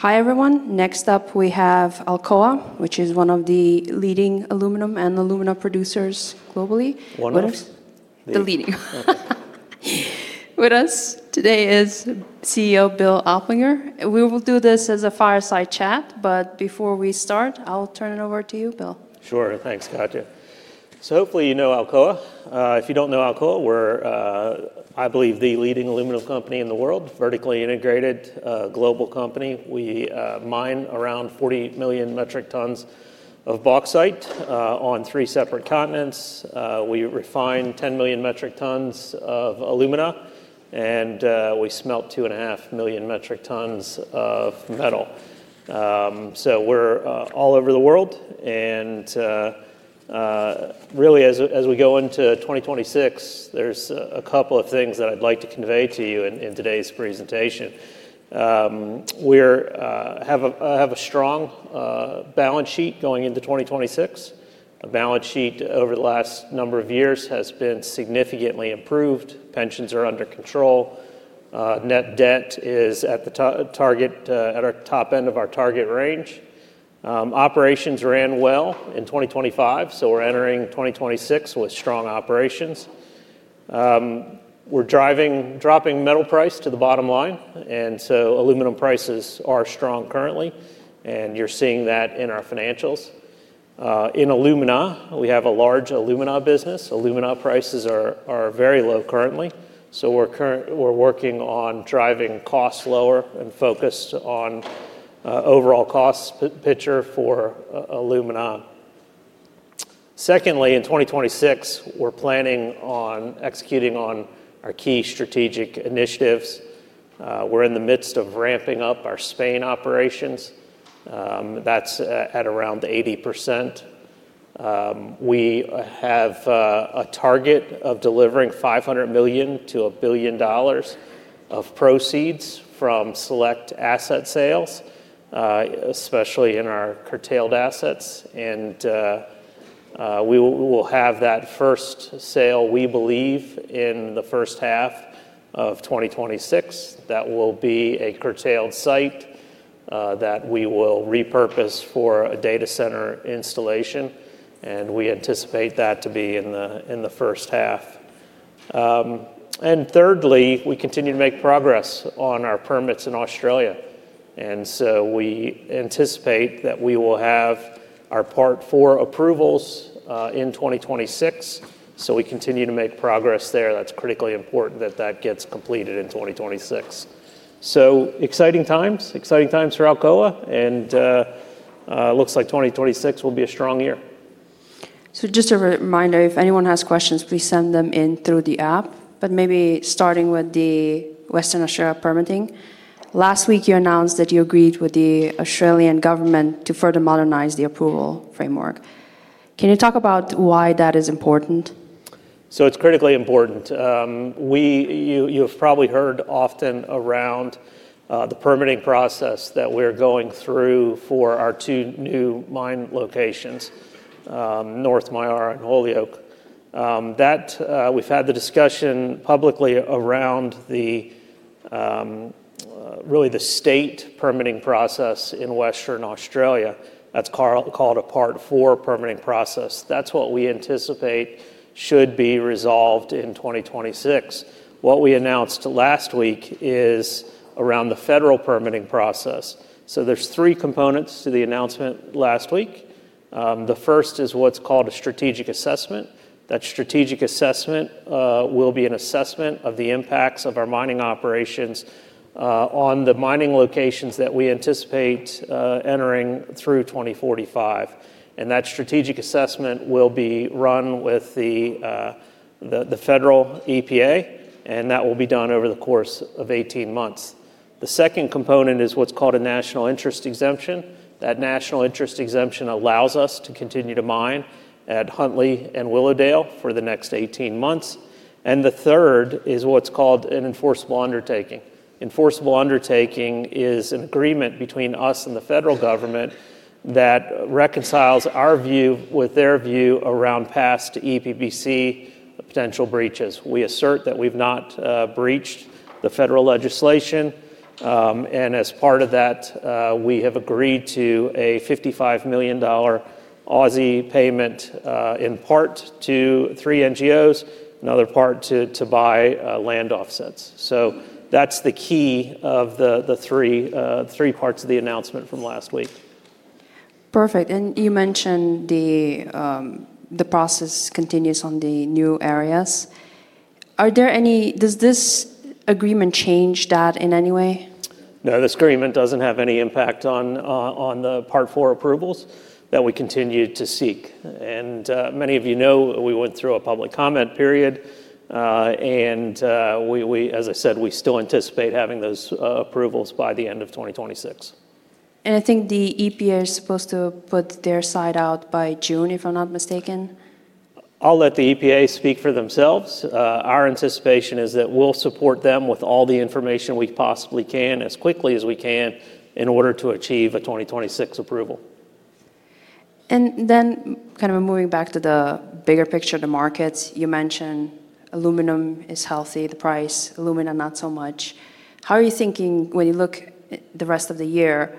Hi, everyone. Next up, we have Alcoa, which is one of the leading aluminum and alumina producers globally. One of? The leading. Okay. With us today is CEO, William Oplinger. We will do this as a fireside chat, but before we start, I'll turn it over to you, Bill. Sure. Thanks, Katja. Hopefully you know Alcoa. If you don't know Alcoa, we're, I believe, the leading aluminum company in the world, vertically integrated, global company. We mine around 40 million metric tons of bauxite on three separate continents. We refine 10 million metric tons of alumina, and we smelt 2.5 million metric tons of metal. We're all over the world, and really, as we go into 2026, there's a couple of things that I'd like to convey to you in today's presentation. We're have a strong balance sheet going into 2026. The balance sheet over the last number of years has been significantly improved. Pensions are under control. Net debt is at the target at our top end of our target range. Operations ran well in 2025. We're entering 2026 with strong operations. We're dropping metal price to the bottom line. Aluminum prices are strong currently, you're seeing that in our financials. In alumina, we have a large alumina business. Alumina prices are very low currently. We're working on driving costs lower and focused on overall cost picture for alumina. Secondly, in 2026, we're planning on executing on our key strategic initiatives. We're in the midst of ramping up our Spain operations. That's at around 80%. We have a target of delivering $500 million-$1 billion of proceeds from select asset sales, especially in our curtailed assets, and we will have that first sale, we believe, in the first half of 2026. That will be a curtailed site that we will repurpose for a data center installation, and we anticipate that to be in the first half. Thirdly, we continue to make progress on our permits in Australia, and so we anticipate that we will have our Part IV approvals in 2026. We continue to make progress there. That's critically important that that gets completed in 2026. Exciting times. Exciting times for Alcoa, and looks like 2026 will be a strong year. Just a reminder, if anyone has questions, please send them in through the app, but maybe starting with the Western Australia permitting. Last week, you announced that you agreed with the Australian government to further modernize the approval framework. Can you talk about why that is important? It's critically important. You, you've probably heard often around the permitting process that we're going through for our two new mine locations, North Myara and Holyoake. That we've had the discussion publicly around the really the state permitting process in Western Australia. That's called a Part IV permitting process. That's what we anticipate should be resolved in 2026. What we announced last week is around the federal permitting process. There's three components to the announcement last week. The first is what's called a strategic assessment. That strategic assessment will be an assessment of the impacts of our mining operations on the mining locations that we anticipate entering through 2045. That strategic assessment will be run with the federal EPA, and that will be done over the course of 18 months. The second component is what's called a national interest exemption. That national interest exemption allows us to continue to mine at Huntly and Willowdale for the next 18 months. The third is what's called an enforceable undertaking. Enforceable undertaking is an agreement between us and the federal government that reconciles our view with their view around past EPBC potential breaches. We assert that we've not breached the federal legislation. As part of that, we have agreed to an 55 million Aussie dollars payment, in part to three NGOs, another part to buy land offsets. That's the key of the three parts of the announcement from last week. Perfect. You mentioned the process continues on the new areas. Does this agreement change that in any way? No, this agreement doesn't have any impact on the Part IV approvals that we continue to seek. Many of you know, we went through a public comment period, and we, as I said, we still anticipate having those approvals by the end of 2026. I think the EPA is supposed to put their side out by June, if I'm not mistaken. I'll let the EPA speak for themselves. Our anticipation is that we'll support them with all the information we possibly can, as quickly as we can, in order to achieve a 2026 approval.... Then kind of moving back to the bigger picture of the markets, you mentioned aluminum is healthy, the price, alumina, not so much. How are you thinking when you look at the rest of the year,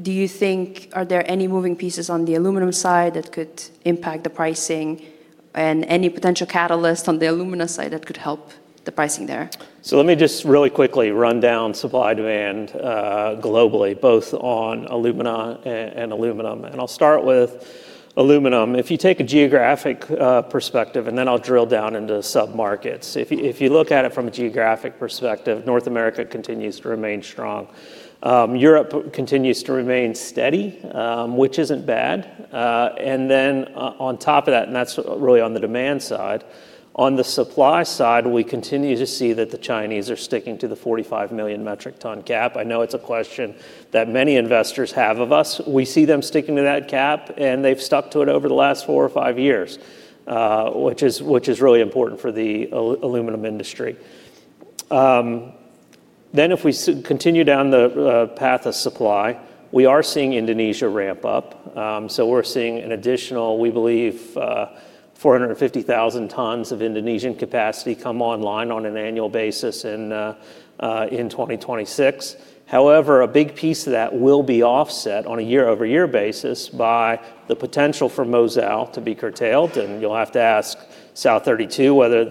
do you think, are there any moving pieces on the aluminum side that could impact the pricing and any potential catalyst on the alumina side that could help the pricing there? Let me just really quickly run down supply-demand, globally, both on alumina and aluminum, and I'll start with aluminum. If you take a geographic perspective, then I'll drill down into submarkets. If you look at it from a geographic perspective, North America continues to remain strong. Europe continues to remain steady, which isn't bad. On top of that, and that's really on the demand side, on the supply side, we continue to see that the Chinese are sticking to the 45 million metric ton cap. I know it's a question that many investors have of us. We see them sticking to that cap, and they've stuck to it over the last four or five years, which is really important for the aluminum industry. If we continue down the path of supply, we are seeing Indonesia ramp up. We're seeing an additional, we believe, 450,000 tons of Indonesian capacity come online on an annual basis in 2026. A big piece of that will be offset on a year-over-year basis by the potential for Mozal to be curtailed, and you'll have to ask South32 whether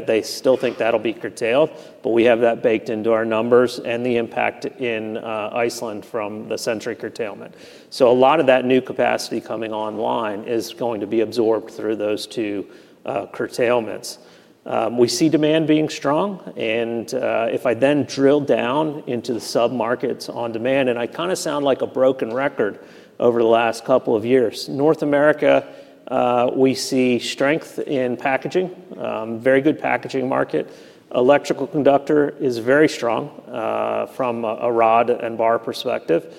they still think that'll be curtailed. We have that baked into our numbers and the impact in Iceland from the Century curtailment. A lot of that new capacity coming online is going to be absorbed through those two curtailments. We see demand being strong. If I then drill down into the submarkets on demand, I kinda sound like a broken record over the last couple of years. North America, we see strength in packaging, very good packaging market. Electrical conductor is very strong from a rod and bar perspective.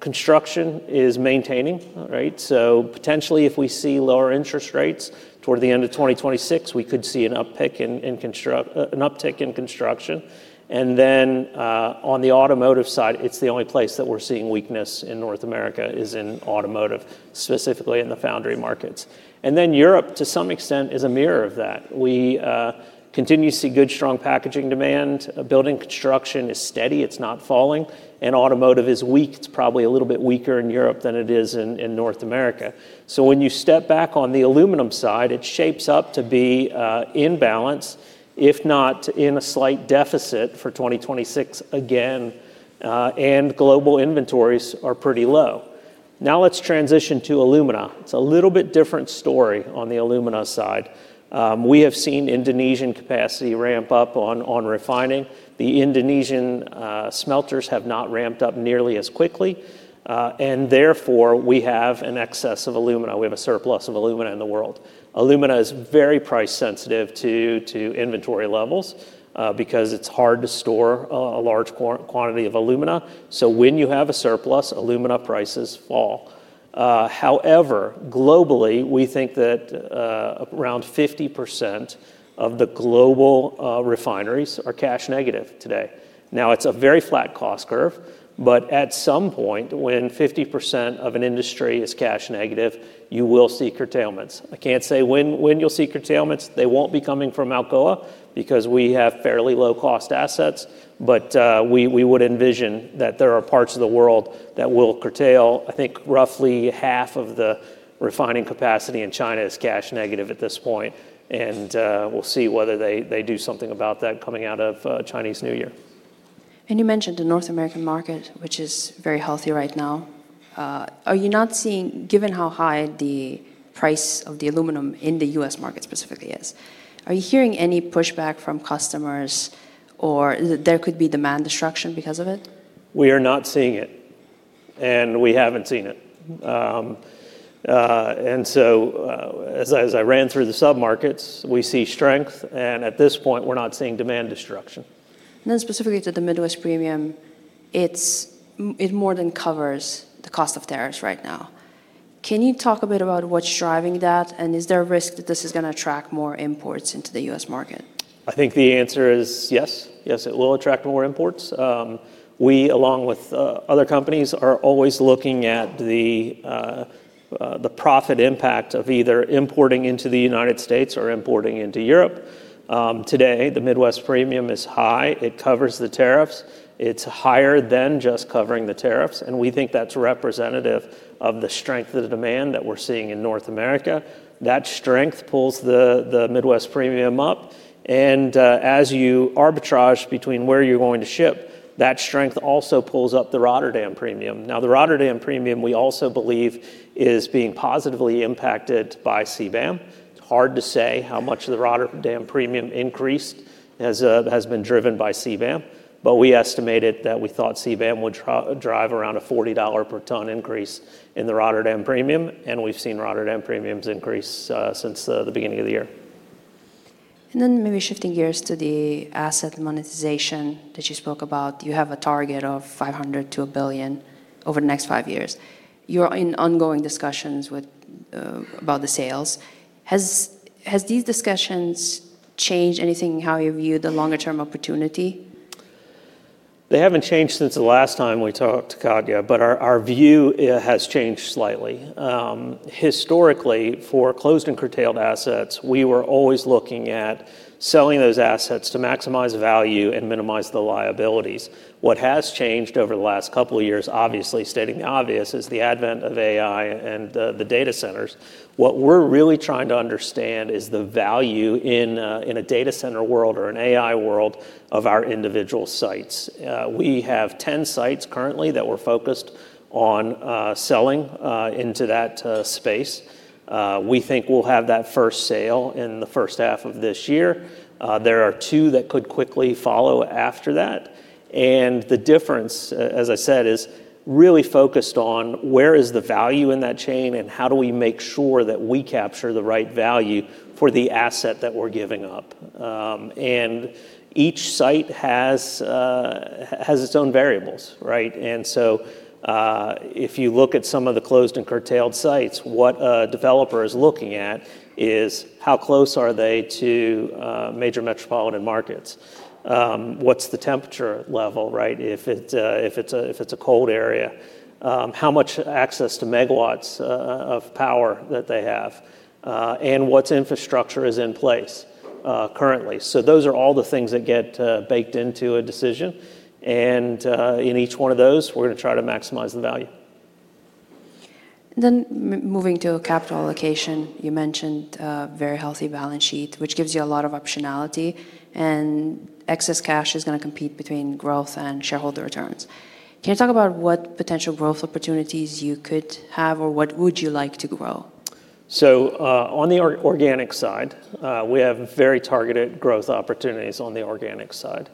Construction is maintaining, right? Potentially, if we see lower interest rates toward the end of 2026, we could see an uptick in construction. On the automotive side, it's the only place that we're seeing weakness in North America, is in automotive, specifically in the foundry markets. Europe, to some extent, is a mirror of that. We continue to see good, strong packaging demand. Building construction is steady, it's not falling, and automotive is weak. It's probably a little bit weaker in Europe than it is in North America. When you step back on the aluminum side, it shapes up to be in balance, if not in a slight deficit for 2026 again, and global inventories are pretty low. Now let's transition to alumina. It's a little bit different story on the alumina side. We have seen Indonesian capacity ramp up on refining. The Indonesian smelters have not ramped up nearly as quickly, and therefore, we have an excess of alumina. We have a surplus of alumina in the world. Alumina is very price sensitive to inventory levels because it's hard to store a large quantity of alumina. When you have a surplus, alumina prices fall. However, globally, we think that around 50% of the global refineries are cash negative today. It's a very flat cost curve, but at some point, when 50% of an industry is cash negative, you will see curtailments. I can't say when you'll see curtailments. They won't be coming from Alcoa because we have fairly low-cost assets, but we would envision that there are parts of the world that will curtail. I think roughly half of the refining capacity in China is cash negative at this point, and we'll see whether they do something about that coming out of Chinese New Year. You mentioned the North American market, which is very healthy right now. Given how high the price of the aluminum in the U.S. market specifically is, are you hearing any pushback from customers or that there could be demand destruction because of it? We are not seeing it, and we haven't seen it. As I ran through the submarkets, we see strength, and at this point, we're not seeing demand destruction. Specifically to the Midwest premium, it more than covers the cost of tariffs right now. Can you talk a bit about what's driving that, and is there a risk that this is gonna attract more imports into the U.S. market? I think the answer is yes. Yes, it will attract more imports. We, along with other companies, are always looking at the profit impact of either importing into the United States or importing into Europe. Today, the Midwest premium is high. It covers the tariffs. It's higher than just covering the tariffs, and we think that's representative of the strength of the demand that we're seeing in North America. That strength pulls the Midwest premium up, and as you arbitrage between where you're going to ship, that strength also pulls up the Rotterdam premium. The Rotterdam premium, we also believe, is being positively impacted by CBAM. It's hard to say how much of the Rotterdam premium increase has been driven by CBAM. We estimated that we thought CBAM would drive around a $40 per ton increase in the Rotterdam premium. We've seen Rotterdam premiums increase since the beginning of the year. Maybe shifting gears to the asset monetization that you spoke about, you have a target of $500 million to $1 billion over the next five years. You're in ongoing discussions with about the sales. Has these discussions changed anything in how you view the longer-term opportunity? They haven't changed since the last time we talked, Katja, but our view has changed slightly. Historically, for closed and curtailed assets, we were always looking at selling those assets to maximize value and minimize the liabilities. What has changed over the last couple of years, obviously, stating the obvious, is the advent of AI and the data centers. What we're really trying to understand is the value in a data center world or an AI world of our individual sites. We have 10 sites currently that we're focused on selling into that space. We think we'll have that first sale in the first half of this year. There are two that could quickly follow after that. The difference, as I said, is really focused on where is the value in that chain, and how do we make sure that we capture the right value for the asset that we're giving up? Each site has its own variables, right? So, if you look at some of the closed and curtailed sites, what a developer is looking at is: how close are they to major metropolitan markets? What's the temperature level, right, if it, if it's a, if it's a cold area? How much access to megawatts of power that they have? What infrastructure is in place currently? Those are all the things that get baked into a decision. In each one of those, we're gonna try to maximize the value. Moving to capital allocation, you mentioned a very healthy balance sheet, which gives you a lot of optionality, and excess cash is going to compete between growth and shareholder returns. Can you talk about what potential growth opportunities you could have, or what would you like to grow? On the organic side, we have very targeted growth opportunities on the organic side.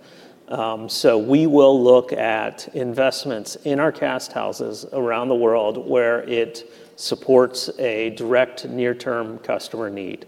We will look at investments in our cast houses around the world, where it supports a direct near-term customer need.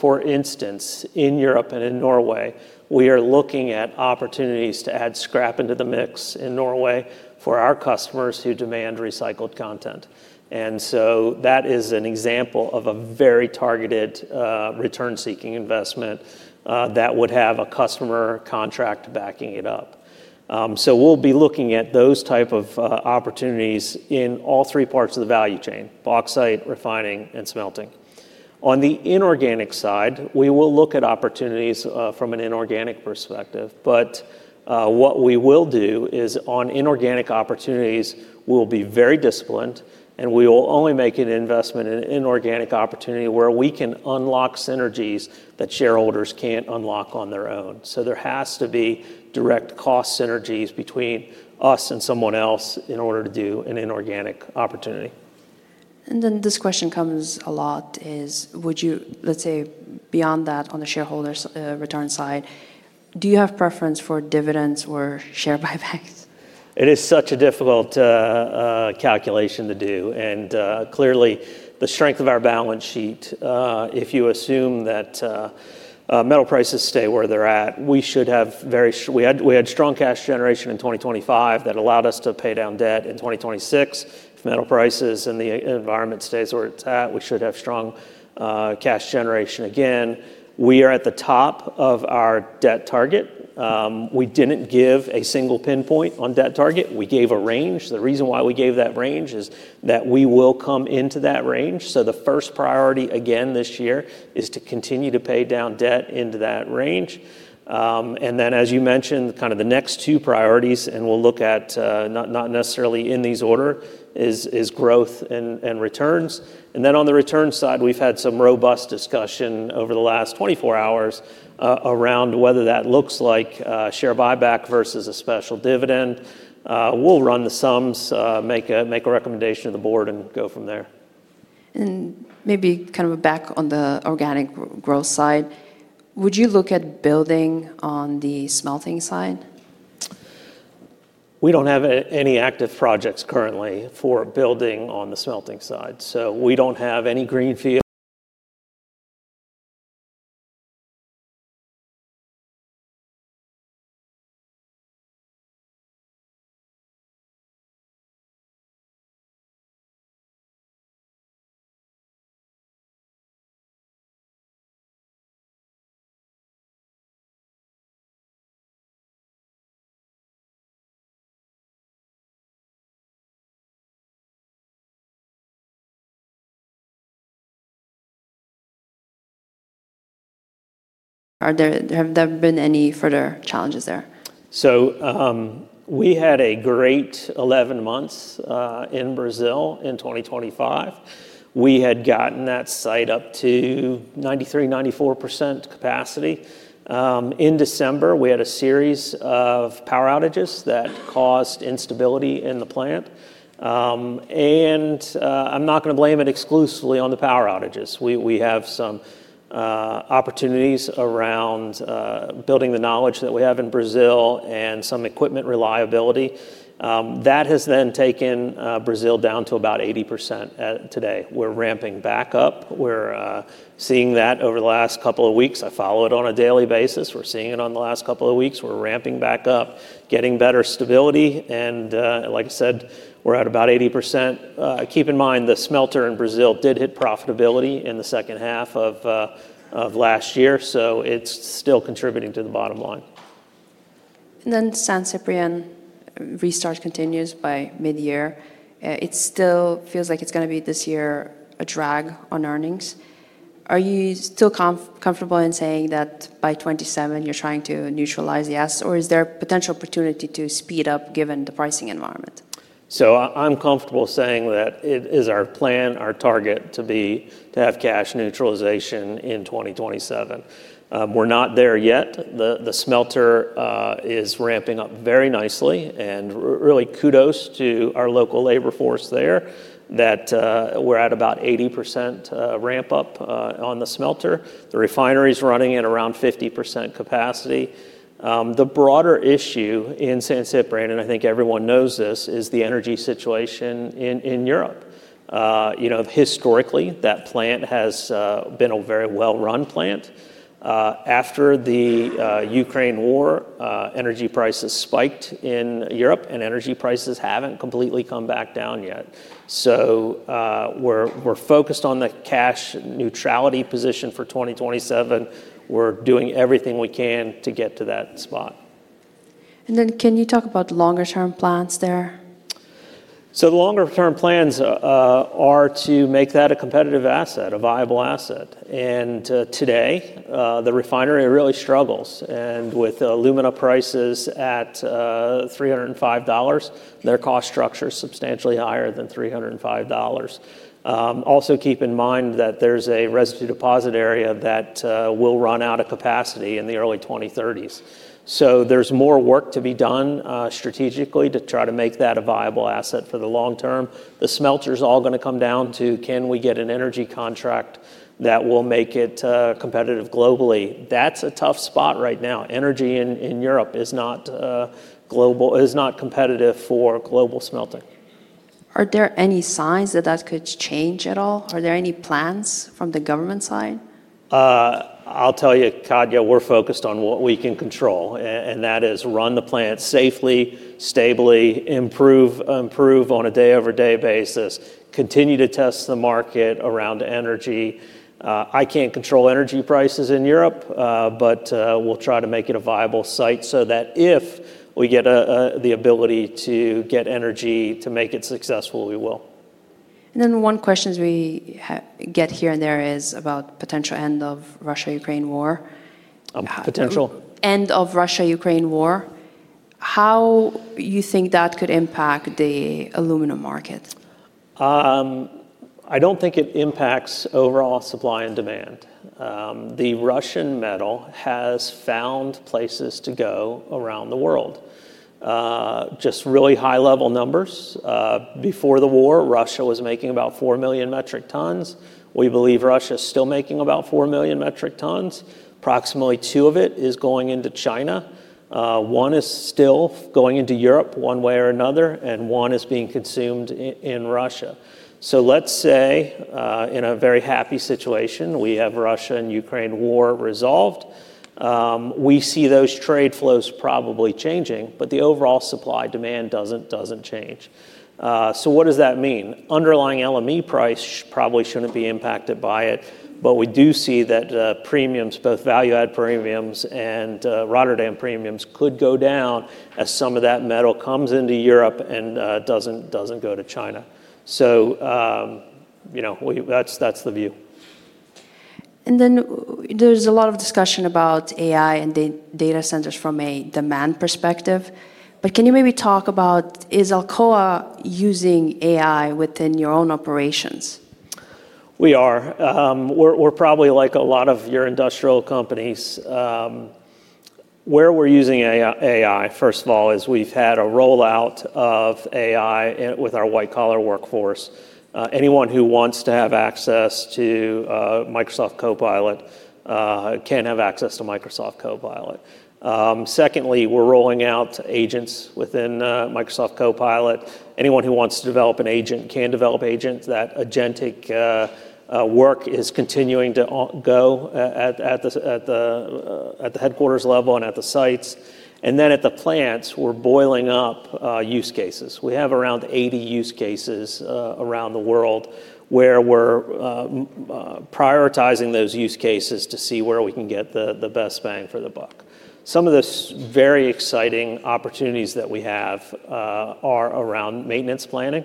For instance, in Europe and in Norway, we are looking at opportunities to add scrap into the mix in Norway for our customers who demand recycled content. That is an example of a very targeted, return-seeking investment that would have a customer contract backing it up. We'll be looking at those type of opportunities in all three parts of the value chain: bauxite, refining, and smelting. On the inorganic side, we will look at opportunities from an inorganic perspective. What we will do is on inorganic opportunities, we'll be very disciplined, and we will only make an investment in inorganic opportunity where we can unlock synergies that shareholders can't unlock on their own. There has to be direct cost synergies between us and someone else in order to do an inorganic opportunity. This question comes a lot, is: let's say, beyond that, on the shareholder's return side, do you have preference for dividends or share buybacks? It is such a difficult calculation to do, and clearly, the strength of our balance sheet, if you assume that metal prices stay where they're at, we had strong cash generation in 2025 that allowed us to pay down debt in 2026. If metal prices and the environment stays where it's at, we should have strong cash generation again. We are at the top of our debt target. We didn't give a single pinpoint on debt target. We gave a range. The reason why we gave that range is that we will come into that range. The first priority again this year is to continue to pay down debt into that range. As you mentioned, kind of the next two priorities, we'll look at, not necessarily in these order, is growth and returns. On the return side, we've had some robust discussion over the last 24 hours, around whether that looks like share buyback versus a special dividend. We'll run the sums, make a recommendation to the board and go from there. Maybe kind of back on the organic growth side, would you look at building on the smelting side? We don't have any active projects currently for building on the smelting side, so we don't have any. Have there been any further challenges there? We had a great 11 months in Brazil in 2025. We had gotten that site up to 93%-94% capacity. In December, we had a series of power outages that caused instability in the plant. I'm not going to blame it exclusively on the power outages. We have some opportunities around building the knowledge that we have in Brazil and some equipment reliability. That has taken Brazil down to about 80% today. We're ramping back up. We're seeing that over the last couple of weeks. I follow it on a daily basis. We're seeing it on the last couple of weeks. We're ramping back up, getting better stability, and, like I said, we're at about 80%. Keep in mind, the smelter in Brazil did hit profitability in the second half of last year, so it's still contributing to the bottom line.... San Ciprián restart continues by midyear. It still feels like it's gonna be, this year, a drag on earnings. Are you still comfortable in saying that by 2027, you're trying to neutralize yes, or is there a potential opportunity to speed up, given the pricing environment? I'm comfortable saying that it is our plan, our target, to have cash neutralization in 2027. We're not there yet. The smelter is ramping up very nicely, and really kudos to our local labor force there, that we're at about 80% ramp up on the smelter. The refinery's running at around 50% capacity. The broader issue in San Ciprián, and I think everyone knows this, is the energy situation in Europe. You know, historically, that plant has been a very well-run plant. After the Ukraine war, energy prices spiked in Europe, and energy prices haven't completely come back down yet. We're focused on the cash neutrality position for 2027. We're doing everything we can to get to that spot. Can you talk about the longer-term plans there? The longer-term plans are to make that a competitive asset, a viable asset. Today, the refinery really struggles, and with alumina prices at $305, their cost structure is substantially higher than $305. Also keep in mind that there's a residue deposit area that will run out of capacity in the early 2030s. There's more work to be done strategically to try to make that a viable asset for the long term. The smelter's all gonna come down to, can we get an energy contract that will make it competitive globally? That's a tough spot right now. Energy in Europe is not competitive for global smelting. Are there any signs that that could change at all? Are there any plans from the government side? I'll tell you, Katja, we're focused on what we can control, and that is run the plant safely, stably, improve on a day-over-day basis, continue to test the market around energy. I can't control energy prices in Europe, but we'll try to make it a viable site so that if we get the ability to get energy to make it successful, we will. One questions we get here and there is about potential end of Russia-Ukraine war. Potential? End of Russia-Ukraine war. How you think that could impact the aluminum markets? I don't think it impacts overall supply and demand. The Russian metal has found places to go around the world. Just really high-level numbers, before the war, Russia was making about 4 million metric tons. We believe Russia is still making about 4 million metric tons. Approximately two of it is going into China, one is still going into Europe, one way or another, and one is being consumed in Russia. Let's say, in a very happy situation, we have Russia and Ukraine war resolved, we see those trade flows probably changing, but the overall supply-demand doesn't change. What does that mean? Underlying LME price probably shouldn't be impacted by it. We do see that premiums, both value-add premiums and Rotterdam premiums, could go down as some of that metal comes into Europe and doesn't go to China. You know, well, that's the view. There's a lot of discussion about AI and data centers from a demand perspective, but can you maybe talk about, is Alcoa using AI within your own operations? We are. We're probably like a lot of your industrial companies. Where we're using AI, first of all, is we've had a rollout of AI with our white-collar workforce. Anyone who wants to have access to Microsoft Copilot can have access to Microsoft Copilot. Secondly, we're rolling out agents within Microsoft Copilot. Anyone who wants to develop an agent can develop agents. That agentic work is continuing to go at the headquarters level and at the sites. At the plants, we're boiling up use cases. We have around 80 use cases around the world, where we're prioritizing those use cases to see where we can get the best bang for the buck. Some of the very exciting opportunities that we have are around maintenance planning,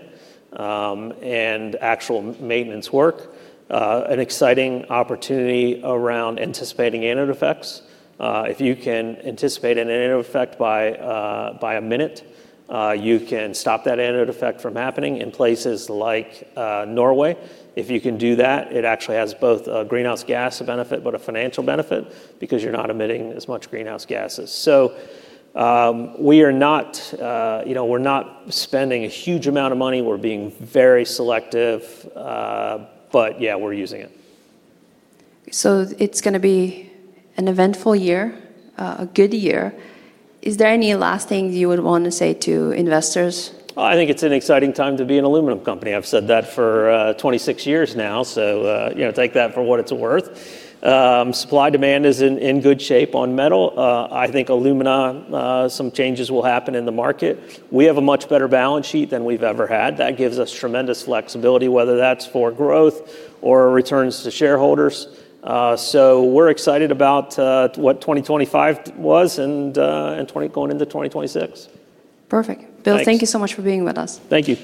and actual maintenance work. An exciting opportunity around anticipating anode effects. If you can anticipate an anode effect by a minute, you can stop that anode effect from happening in places like Norway. If you can do that, it actually has both a greenhouse gas benefit, but a financial benefit because you're not emitting as much greenhouse gases. We are not, you know, we're not spending a huge amount of money. We're being very selective, yeah, we're using it. It's going to be an eventful year, a good year. Is there any last thing you would want to say to investors? I think it's an exciting time to be an aluminum company. I've said that for 26 years now, so you know, take that for what it's worth. Supply-demand is in good shape on metal. I think alumina, some changes will happen in the market. We have a much better balance sheet than we've ever had. That gives us tremendous flexibility, whether that's for growth or returns to shareholders. We're excited about what 2025 was, and going into 2026. Perfect. Thanks. Bill, thank you so much for being with us. Thank you.